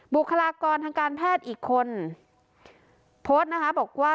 บุคลากรทางการแพทย์อีกคนโพสต์นะคะบอกว่า